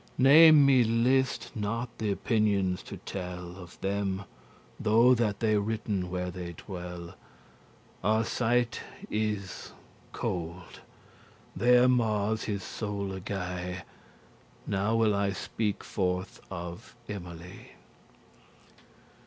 Ne me list not th' opinions to tell Of them, though that they writen where they dwell; Arcite is cold, there Mars his soule gie.* *guide Now will I speake forth of Emily.